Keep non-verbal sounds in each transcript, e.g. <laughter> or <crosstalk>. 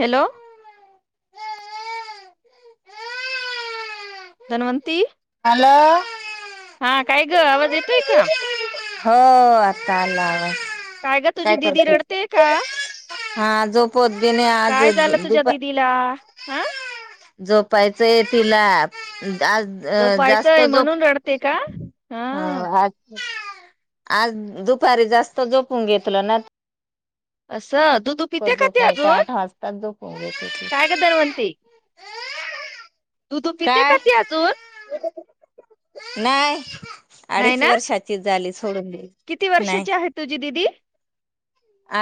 Hello. Dhanwanti hello. हा काय गं आवाज येतोय का हो आता आला आवाज काय गं तुझी दिदी रडतेय का हा जो पोत बने आज काय झालं तुझ्या दुपा दिदीला हा झोपायचं आहे तिला आज अ जास्त झोपायचंय झोप म्हणून रडते का हा अ हा आज दुपारी जास्त झोपून घे तूला नंतर असं दुधू पिते का झोप ती नाही तर अजून काय ग <unintelligible> दुधू पिते का ती अजून नाय, नाही अडीच ना वर्षाची झाली सोडून दिली किती नाही. वर्षाची आहे तुझी दिदी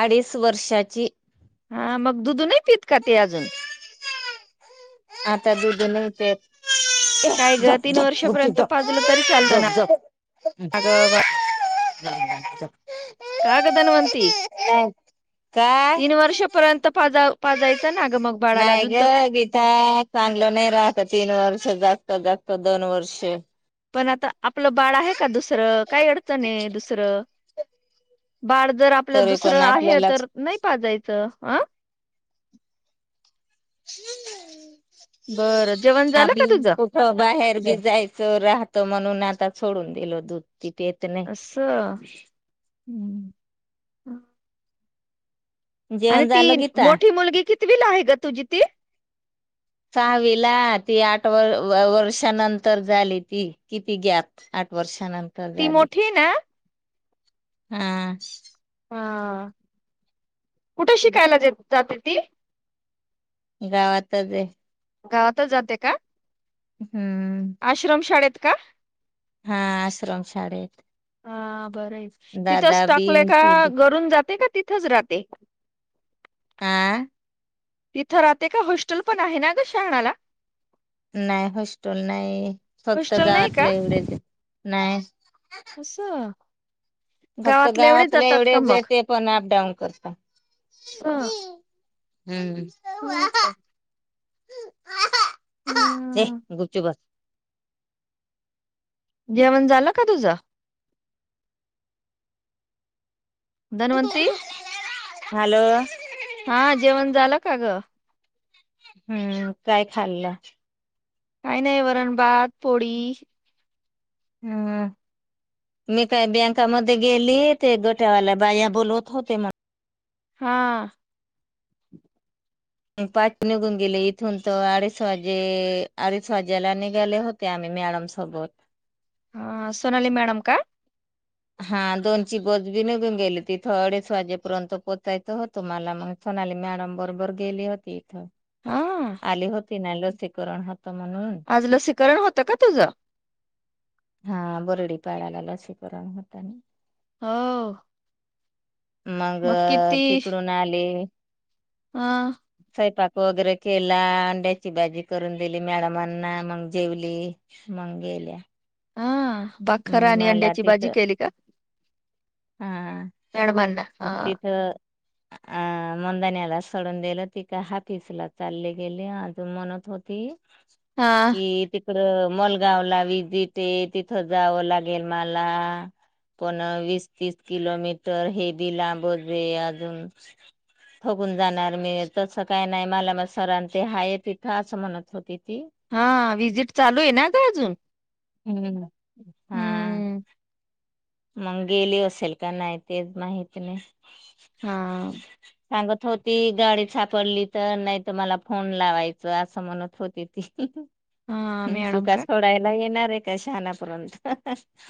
अडीच वर्षाची हा मग दुधू नाही पित का ती अजून आता दुदीी नाही ते ए काय ग झप तीन झप वर्षपर्यंत झ पाजलं तरी चालतं ना झक झक ग <unintelligible> का गदनवती काय तीन वर्षपर्यंत पा पाजायचं नाग मग बाळाला अजून तर ता चांगलं नाही राहत तीन वर्ष जागत जागत दोन वर्ष पण आता आपलं बाळ आहे का दुसरं काही अडचण आहे दुसरं-‍- बाळ जर आपलं तरी पण दुसरं आहे आपल्याला तर नाही पाजायचं हं <unintelligible> बरं जेवण झालं का तुझं? हो बाहेर बी जायचं राहत म्हणून आता सोडून दिलो दूधची पेत नाही. असं <unintelligible> <unintelligible> आणि जेवण ती झालं गीता? मोठी मुलगी कितवीला आहे गं तुझी ती सहावी ला ती आठ वर्षानंतर झाली ती किती गॅप आठ वर्षानंतर ती झाली मोठी ना हा हा कुठे शिकायला जा जाते ती गावातच आहे, गावातच जाते का हम्म आश्रम शाळेत का हा आश्रम शाळेत हा बरं आहे तिथंच दादा टाकलंय बीन का ती बी घरून जाते का तिथंच राहते ते ह्अ तिथं राहते का हॉस्टेल पण आहे ना ग शहाणाला नाही हॉस्टेल नाही फक्त हॉस्टेल नाही का गावातले एवढेच नाही असं फक्त एवढेच गावातले जातात का एवढेच मग येत पण अपडाऊन करता हम्म हा ते हम्म गुपचूप बस. जेवण झालं का तुझं? धनवंती हॅलो हा जेवण झालं का ग? हम्म काय खाल्लं. काही नाही वरण भात पोळी हम् मी काय बँकामध्ये गेली ते गोट्यावाल्या बाया बोलवत होत्या. हा पाच निघून गेले इथून तर अडीच वाजे अडीच वाजेला निघाले होते. ते आम्ही मॅडम सोबत हा सोनाली मॅडम का? हा दोन ची बस बी निघून गेली तिथं अडीच वाजेपर्यंत पोचायचं होत. तुम्हाला मग सोनाली मॅडम बरोबर गेली होती इथं हा आली होती ना लसीकरण होतं म्हणून आज लसीकरण होतं का तुझं? हा बरडी पाळाला लसीकरण होता आणि हो मग तिकडून आले हा स्वयंपाक वगैरे केला अंड्याची भाजी करून दिली मॅडमांना मग जेवली मग गेल्या हा भाकर मग आणि मला अंड्याची भाजी तिथं केली का? हा मॅडमांना हा तिथं अ मंदानला सोडून दिलं ती का हाफीसला चालली गेली अजून म्हणत होती. हा ये ते मलगाव ला विजिट तिथ जावं लागेल मला पण वीस तीस किलोमीटर हे बी लांबच अजून ठगून जाणार मी तसं काय नाही मला मग सरां ते हाय तिथं असं म्हणत होती ती हा व्हिजिट चालू आहे ना ग अजून हम्म हा हम्म मग गेली असेल का नाही तेच माहती नाही. हा सांगत होती गाडी सापडली तर नाही तर मला फोन लावायचं असं म्हणत होती ती हा हम् तू मॅडम का सोडायला येणार आहे का शहाणापर्यंत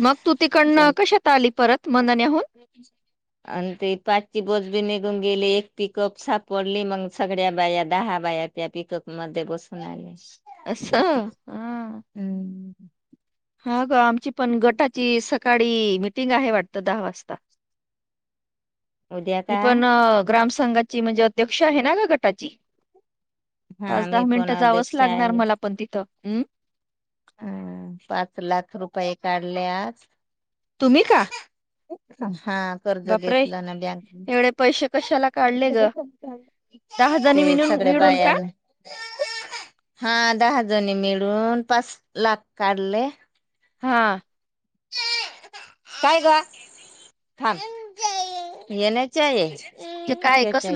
मग तू तिकडनं कशात आली परत मनाण्याहून ह <unintelligible> आणि ते पाचची बसबी निघून गेले एक पिकअप सापडली मग सगळ्या बाया दहा बायात त्या पिकप मध्ये बसून आले. असं ह हम्म हा का आमची पण गटाची सकाळी मिटिंग आहे वाटतं दहा वाजता उद्या मी का पण ग्राम संघाची म्हणजे अध्यक्ष आहे ना ग गटाची हा पाच दहा मी पण मिनिटं जावंच अध्यक्ष लागणार आहे. मला पण तिथं हम् हम पाच लाख रुपये काढले. तुम्ही का? हा कर्ज बापरे घेतले ना एवढे पैसे कशाला काढले ग बँकेतून दहा ते जणी मिळून सगळ्या मिळून का बायान हा दहा जणे मिळून पाच लाख काढले हा काय गां थांब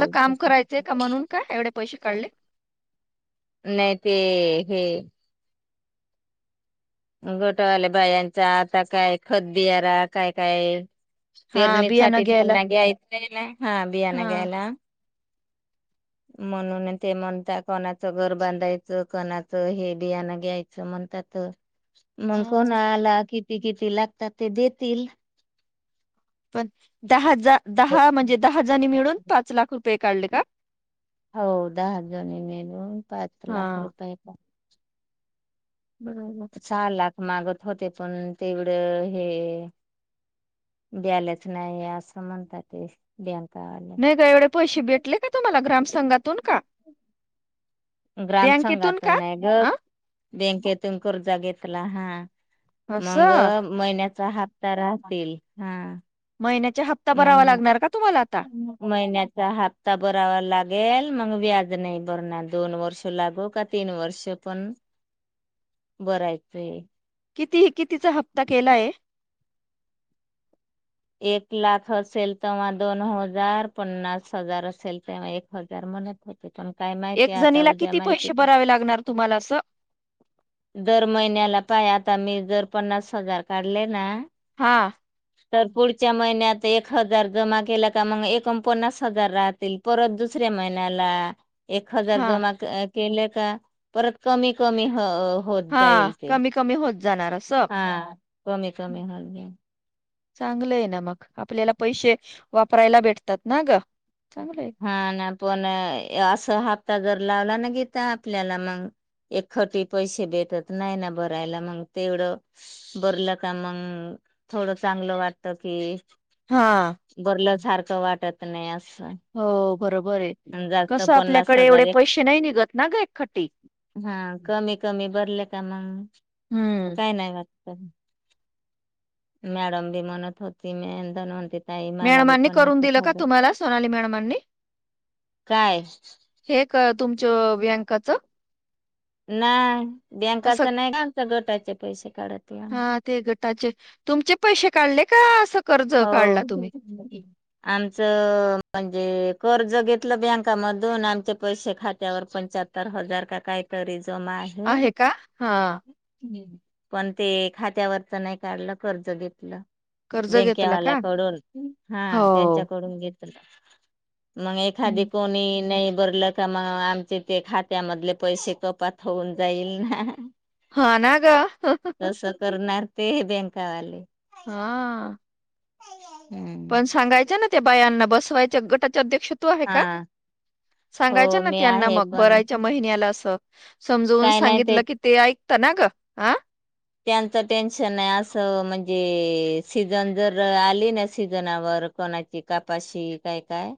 <unintelligible> चेक का म्हणून का एवढे पैसे काढले नाही ते हे गटवाल्या बायांचा आता काय खतबियाना काय काय हा बियाणं पेरणीसाठी घ्यायला त्यांना घ्यायच हाय ना हा बियाना हा घ्यायला <unintelligible> म्हणून ते म्हणता कोणाचं घर बांधायचं कोणाचं हे बियाणं घ्याय अस म्हणतात. मग हा. कोणा आला किती किती लागतात ते देतील. पण दहा दहा म्हणजे दहाजनी मिळून पाच लाख रुपये काढले का? हो दहा जणी मिळून पाच हा लाख रुपय बरोबर सहा लाख मागत होते पण तेवढं हे ब्यालाच नाही असं म्हणतात ते अंत नाही का एवढे पैसे भेटले का तुम्हाला ग्रामसंघातून का ग्राम बँकेतून संघात का नाही गं. अ बँकेतून कर्जा घेतला हा मग असं महिन्याचा हा हप्ता राहतील हा महिनच्या हप्ता भरावा लागणार का तुम्हाला आता मग महिन्याचा हा ता बरावा लागेल मग व्याज नाही बरणार दोन वर्ष लागू का तीन वर्ष पण बरायचंय किती कितीचा हप्ता केलाय एक लाख असेल तेव्हा दोन हजार पन्नास हजार असेल तेव्हा एक हजार म्हण हो पण काय माहितीय एक आता जणीला उद्या किती पैसे माहिती भरावे लागणार तुम्हाला असं दर महिन्याला पाय आता मी जर पन्नास हजार काढले ना हा तर पुढच्या महिन्यात एक हजार जमा केला का मग एकूण पन्नास हजार राहत असतील परत दुसऱ्या महिन्याला एक हजार हा जमा केले का परत कमी कमी होत हा जाईल ते कमी कमी होत जाणार असं हा कमी कमी होत जाईल चांगलं आहे ना मग आपल्याला पैसे वापरायला भेटतात ना ग चांगलं आहे हा ना पण असं हप्ता जर लावला ना घेता आपल्याला मग एक खटी पैसे भेटत नाही ना भरायला मग तेवढं बरलं का मग थोडं चांगलं वाटत की हा बरलं सारखं वाटत नाही असं हो बरोबर आहे अन जास्त कसं पन्नास आपल्याकडे हजार एवढे एक पैसे नाही निघत ना ग एक खट्टी हा कमी कमी भरले का मग हम्म काय नाही वाटत मॅडम बी मनत होती मी नती तई मला बी मॅडमांनी करून दिलं पन्नासा का तुम्हाला सोनाली मॅडमांनी काय हे का तुमच वयांकाचं नाही असं बँकाच नाही का आमचा गटाचे पैसे काढत या. हा ते गटाचे तुमचे पैसे काढले का अस हो आमचं म्हणजे कर्ज घेतलं बँकामधून आमचे पैसे खात्यावर पणच्या तर हजार का काय तरी जमा आहे आहे का हा पण ते खात्यावरच नाही काढलं कर्ज घेतलं कर्ज घेतला बेंक्यावाल्या का कडून हा हो त्यांच्याकडून घेतलं मग एखादी हम्म. कोणी नाही भरल तर मग आमचे ते खात्यामधले पैसे कपात होऊन जाईल ना हा ना ग कस करणार ते बँंकावाले हा हम्म पण सांगायच ना त्या बायांना बसवायच्या गटाचे अध्यक्ष तू आहे का हा हो सांगायच ना मी त्यांना आहे मग पण बरायच्या महिन्याला असं समजवून काय नाही सांगितलं की ते ऐकत ना ग ह त्यांचं टेन्शन नाही असं म्हणजे सीझन जर आली ना सीझनावर कोणाची कापाशी काय काय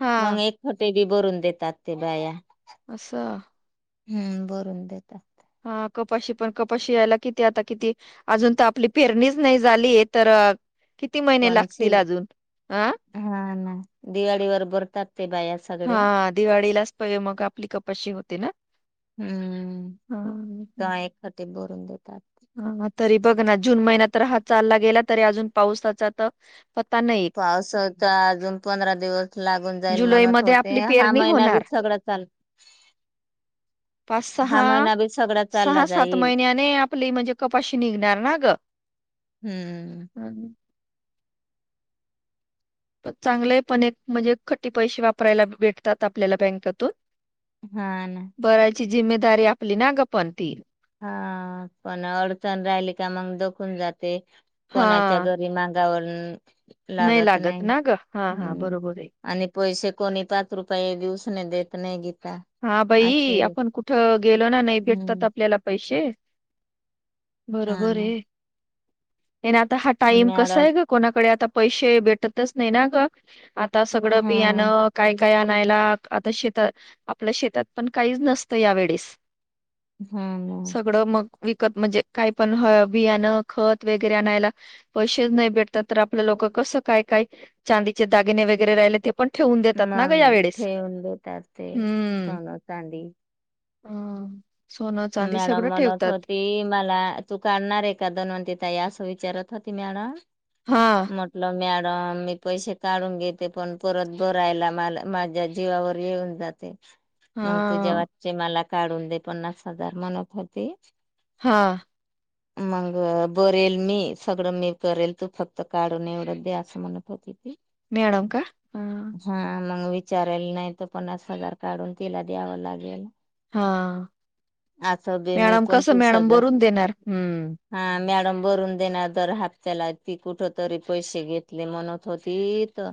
हा मग एक खटे बी बरून देतात ते बाया अससाहा हम्म बरून देता हा कपाशी पण कपाशी यायला किती आता किती अजून तर आपली पेरणीच नाही झाली तर किती महिने पण सी लागतील अजून अं हा ना दिवाळी वर बरतातते बया हा दिवाळीलाच पाहि मग आपली कपशीशी होते ना हम्म हा ते भरून देतात हा तरी बघ ना जून महिनात तर हा चालला गेला तरी अजून पावसाचा तर पता नाही पाऊसता अजून पंधरा दिवस लागून जाईल म्हणत जुलैमध्ये होते आपली हा पेरणी महिना बी होणार सगळा चाल पाच हा सहा महिना बी सगळा चालला सहा सात जाईल महिन्याने आपली म्हणजे कपाशी निघणार ना ग हम्म चांगले पण एक म्हणजे खटी पैसे वापरायला भेटतात आपल्याला बँकेतून हा ना बरायची जिम्ेदारी आपली ना गपन ये हा पण अडचण राहिली का मग दखून जाते हा कोणाच्या घरी माग जावर लागत नाही ना ग हा हा हम् बरोबर आहे आणि पैसे कोणी पाच रुपये दिवसने देत नाही गीता हा भाई असे आपण कुठं गेलो ना नाही भेटतात हम्म आपल्याला पैसे हा बरोबर ना आहेने आता हा टाईम कसा मॅडम आहे ग कोणाकडे आता पैसे भेटतच नाही ना ग आता सगळं हम्म बियाणं काय काय आणायला आता शेतात आपल्या शेतात पण काहीच नसतं यावेेळेस हम्म सगळं मग विकत म्हणजे काही पण बियाणं खत वगैरे आणायला पैसे नाही भेटतात तर आपल्या लोक कसं काय काय चांदीचे दागिने वगैरे राहिले ते पणेवून दे मग ठेवून देतात ते सोनं चांदी हम मॅडम म्हणत होती मला तू काढणार आहे का दनवती ताई असं विचारत होती मॅड हा ल मॅडम मी पैसे काढून घेते पण परत भरायला मला माझ्या जीवावर येऊन जात मग तु हा जेवचे मला काढून दे पन्नास हजार म्हणत होती हां मग बरेल मी सगळं मी करेल तू फक्त काढून निवडत दे असं म्हणत होती ती मेडम का ह हा मग विचाराला नाही तर पन्नास हजार काढून तिला द्यावं लागेल हा असं बी मी मॅडम कस पंचवीस मॅडम हजार बरून देणार हम्म हा मॅडम बरून देणार तरर हाप्त्याला ती कुठ तरी पैसे घेतले म्हणत होती त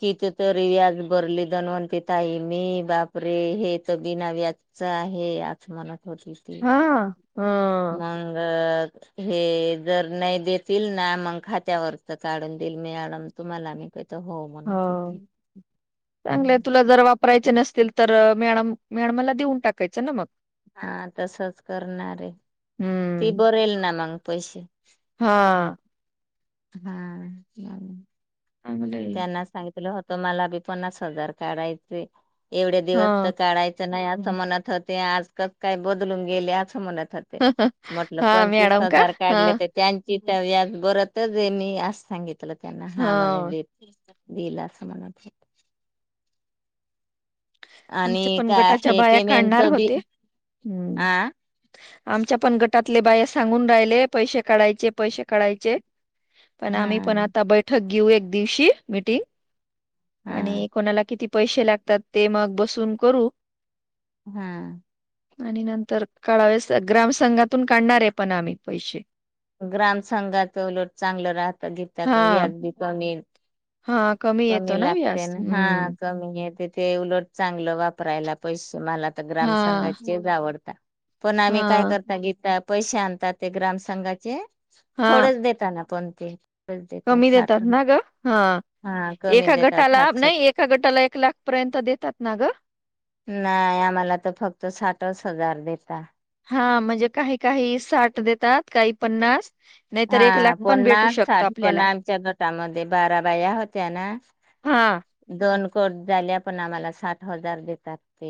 किथ तरी व्याज भरली दनवती ताई मी बापरे हे तर बिना व्याज आहे आज मनात होती हा हा अ हे जर नाही देतील ना मग खात्यावरच काढून देईल मी तुम्हाला मी तर हो म्हनात चांगले तुला जर वापरायचे नसतील तर मॅडम मॅडमला देऊन टाकायचं ना मग हा तसच करणारे ती हम्म बरेल ना मग पैसे हा हा या चांगलंय. त्यांना सांगितलं होत मला बी पन्नास हजार काढायचे एवढे दिवस तर हा काढायच नाही अस मनात होते आज काय बदलून गेले असं म्हणत होते हा म्हटलं पंचवीस मॅडम का हजार हा काढले ते त्यांची तर याज बरतच आहे मी अस सांगितलं त्यांना हा म्हणे देत दिला समान आमच्या आणि काय पनगटाच्या हे बाया काढणार पेमेंटच बी होते हम्म आ आमच्या पण गटात ले बाय सांगून राहिले पैसे काढायचे पैसे काढायचे पण हा आम्ही पण आ आता बैठक घेऊ एक दिवशी मिीटिंग हा आणि कोणाला किती पैसे लागतात ते मग बसून करू हा आणि नंतर कळावेस ग्रामसंघातून काढणारे पण आम्ही पैसे ग्राम संघाच उलट चांगलं राहतं घेत त्या का हां, व्याज बी कमीन हां, येतो कमी लागते व्याज? ना हा हं. कमी आहे तिथे उलट चांगलं वापरायला पैसे मला तर हां, ग्रामसंघाचेच आवडतात पण आम्ही काय हां, करता गीता पैसे आणतात ते ग्राम संंघाचे हां. थोडेच देत ना कोणते कमी देतात ना ग हा हा कमी एका देतात गटा साठ लाभ स नाही गटाला एक लाख पर्यंत देतात ना ग नाही आम्हाला तर फक्त साठच हजार दता हा म्हणजे काही काही साठ देतात काही पन्नास हा पन्हा साठ पन्हा आमच्या गटामध्ये बाराबाया होत्या ना हा दोन कोट झाल्या पण आम्हाला साठ हजार देतात ते